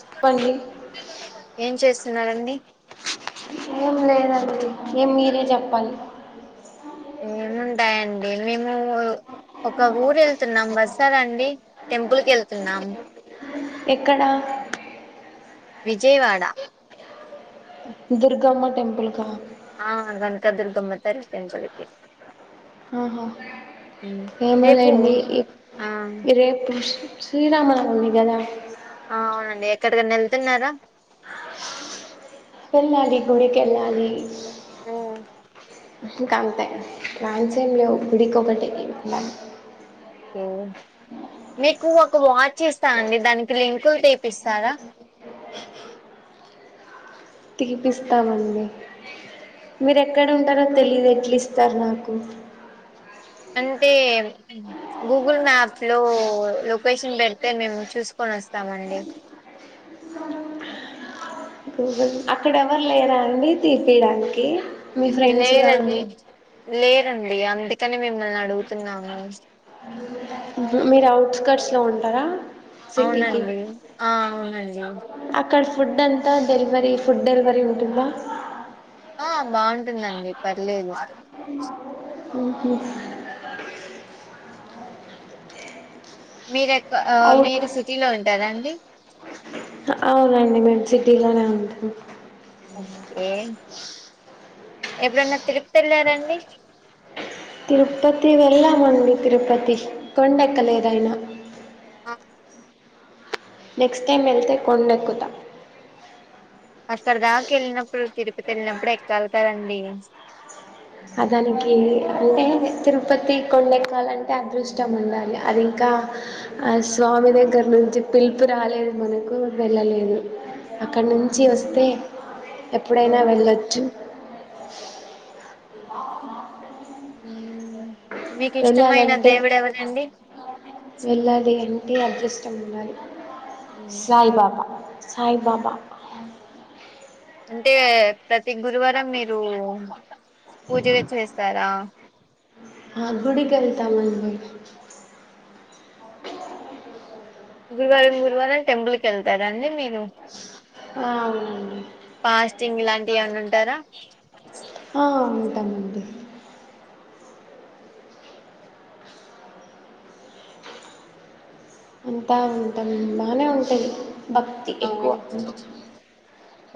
చెప్పండి ఏం చేస్తున్నారండి ఏం లేదండి ఇగ మీరే చెప్పాలి ఏముంటయండి మేము ఒక ఊరు ఏళ్తున్నాం వస్తరాఅండి టెంపుల్ కెళ్తున్నాం ఎక్కడ విజయవాడ దుర్గమ్మ టెంపుల్ కా కనక దుర్గమ్మ తల్లి టెంపుల్ కి ఆహా ఉమ్. రేపు ఏమోలేండి ఆ ఇ రేప్ శ్రీరామనవమి కదా అండ్ ఆ అవునఅండి ఏక్కడికైనేళ్తున్నారా వెళ్ళాలి గుడికెళ్లాలీ ఆహ్ ఇంకా అంతే మాన్సన్ లొ గుడి కొకటే ఏళ్తున్నాం [unintelligible] మీకు ఒక వాచ్ ఇస్తా అండి దానికి లింకులు తిపిస్తారా తీపిస్తామండి మీరు ఎక్కడ ఉంటారో తెలిదు ఎట్లీస్తారు నాకు అంటే గూగుల్ మ్యాప్ లో లొకేషన్ పెడితే మేము చూసుకోన్ స్తామండి అక్కడెవరు లేరా అండి తీపియడానికి మీ ఫ్రెండ్స్ కానీ లేరండి లేర్ రండి అందుకనే మిమ్మల్ని అడుగుతున్నాము మీరు అవుట్స్కర్ట్స్లో ఉంటారా సిటీకి అవునండి ఆ అవునండి అక్కడ ఫుడ్ అంతా డెలివరీ ఫుడ్ డెలివరీ ఉంటుందా అ బావుంటుందండి పర్లేదు మ్ హు మీరు ఎక్క అ అవుట్ మీరు సిటీ లో ఉంటారా అండి అవునండి మేము సిటీలోనే ఉంటాం ఓకే ఎప్పుడన్న తిరూపతేళ్ళారా అండి తిరుపతి వెళ్ళామండి తిరుపతి కొండెక్కలేదైనా ఆ! నెక్స్ట్ టైమ్ వెళ్తే కొండెక్కుతా అక్కడ దాకేళ్ళినప్పుడు తిరుపతి ఎళ్ళినప్పుడు ఎక్కలి కదండీ అ దనికీ అంటే తిరుపతి కొండెక్కాలంటే అదృష్టం ఉండాలి అది ఇంకా ఆ ఆ స్వామి దగ్గర నుంచి పిలుపు రాలేదు మనకు వెళ్ళలేదు అక్కడి నుంచి వస్తే ఎప్పుడైనా అవును. వెళ్ళొచ్చు మ్ వెళ్ళాలంటే వెళ్ళాలి అన్ టే అదృష్టం ఉండాలి హ్మ్. సాయిబాబా సాయిబబా అంటే ప్రతి గురువారం మీరూ పూజగా చేస్తారా అ గుడికెళ్తామండి గురువారం గురువారం టెంపుల్ కెళ్తారా అండి మీ రు ఆ అవునండి ఫాస్టింగ్ లాంటియి ఏమన్న ఉంటారా ఆ ఉంటామండి అంతా ఉంటాం బానే ఉంటాది భక్తి ఆ! ఎక్కువ అంతె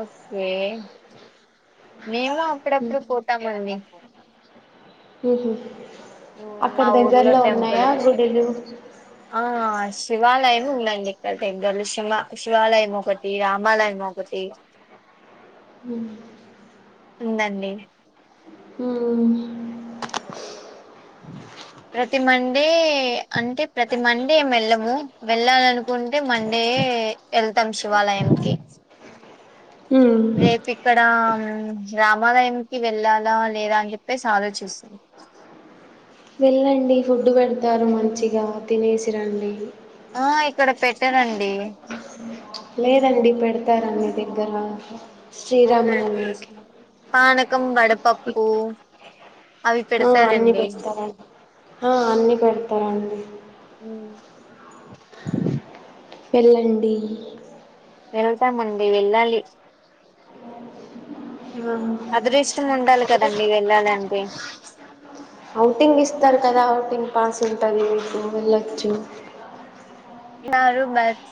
ఓకే మేము ఉమ్, అప్పుడప్పుడు పోతామండి మ్ హు ఉమ్, మా అక్కడ ఊర్లో దగ్గర్లో టెంపుల్ ఉన్నాయా గుడులు ఆ శివాలయం ఉందండి ఇక్కడ్ దగ్గర్లో శివా శివాలయం మొకటి రామాలయం మొకటి హ్మ్ ఉందండి హు మ్ ప్రతి మండే అంటే ప్రతి మండె ఎం వెళ్ళము వెళ్ళాలనుకుంటే మండె డే ఎళ్తాం శివాలయనికి ఉమ్. రేపిక్కడ్ దా మ్ రామాలయంకి వెళ్ళాలా లేదా అని చెప్పేసి ఆలోచిస్తున్ వెళ్ళండి ఫుడ్డ్ పెడతారు మంచిగా తినేసి రండి ఆ ఇక్కడ పెట్టారండి తరన్ని దగ్గర అవునండి శ్రీరామనవమికి పానకం వడపప్పు అవి ఆ అన్ని పెడతారండి పెడతారండి ఆ అన్ని పెడతారండి ఉమ్. వెళ్ళండి వెళ్తామండి వెళ్ళాలి శివమ్ అదృష్టం ఉండాలి కదండి వెళ్ళాలంటే ఔటింగ్ ఇస్తారు కదా ఔటింగ్ పాస్ ఉంటది మీకు వెళ్ళొచ్చు స్తారు బట్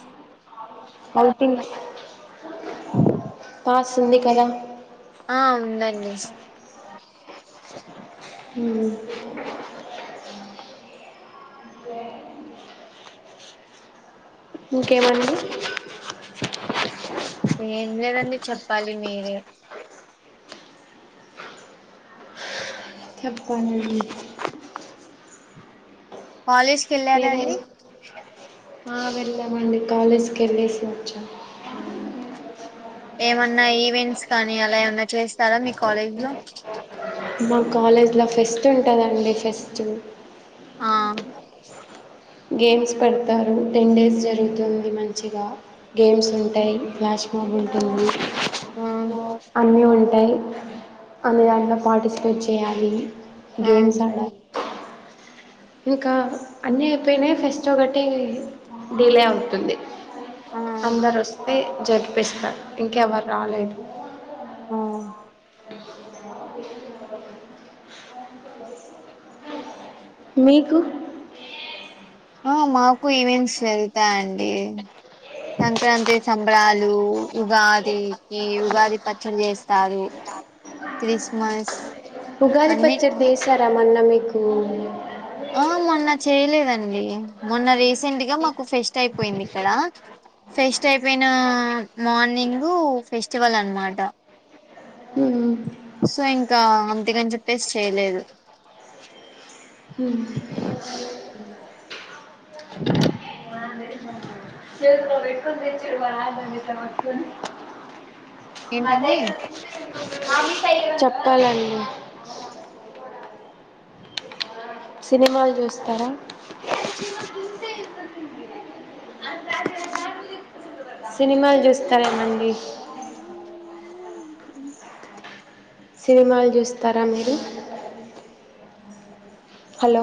ఔటింగ్ పాస్ ఉంది కదా ఆ ఉందండి ఉమ్ ఇంకేమండి ఏం లేదండి చెప్పాలి మీరే [unintelligible] కాలేజ్కి ఎళ్ళారా ఏదై అండీ ఆ వెళ్లామండి కాలేజ్కి ఎళ్ళేసి వచ్చా ఏమన్నా ఈవెంట్స్ కానీ అలా ఏమన్నా చేస్తారా మీ కాలేజ్ లో మా కాలేజ్ల ఫెస్ట్ ఉంటదండి ఫెస్ట్ ఆ గేమ్స్ పెడతారు టెన్ డేస్ జరుగుతుంది మంచిగా గేమ్స్ ఉంటాయి ఫ్లాష్ బాగుంటుంది ఆ అన్నీ ఉంటాయి అన్ని దాంట్లో పార్టిసిపేట్ జెయాలి ఆ గేమ్స్ ఆడలి ఇకా అన్ని ఐపెయినయ్ ఫస్ట్ ఒకటి డిలే అవుతుంది ఆ అందరు అస్ స్తె జరిపిస్తారు ఇంకెవరు రాలేదు ఆ మీకు ఆ మాకు ఈవెంట్స్ జరుగుతాయండి సంక్రాంతి సంబరాలు ఉగాదికి ఉగాది పచ్చడి చేస్తారు క్రిస్మస్ ఉగాది పచ్చడి అన్నిటికి దీశారా మొన్న మీకు ఆ మొన్న చేయలేదండి మొన్న రీసెంట్ గా మాకు ఫెస్ట్ అయి పోయింది ఇక్కడ ఫెస్ట్ అయిపోయిన మార్నింగ్ ఫెస్టివల్ అనమాట ఉమ్ సో ఇంకా అంతకని చెప్పేసి చేయలేదు ఉమ్ అ ఏంటండి చెప్పాలండి సినిమాలు చూస్తారా సినిమాలు చూస్తార ఏమండి సినిమాలు జుస్తారా మీరు హలో